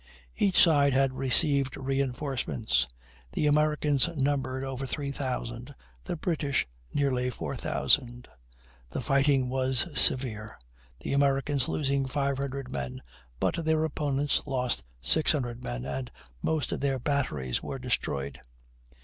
Each side had received reinforcements; the Americans numbered over 3,000, the British nearly 4,000. The fighting was severe, the Americans losing 500 men; but their opponents lost 600 men, and most of their batteries were destroyed.